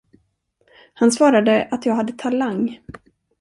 Han svarade att jag hade talang.